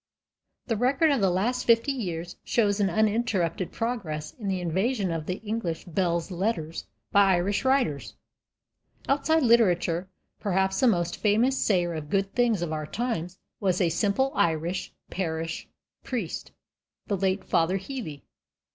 The record of the last fifty years shows an uninterrupted progress in the invasion of English belles lettres by Irish writers. Outside literature, perhaps the most famous sayer of good things of our times was a simple Irish parish priest, the late Father Healy.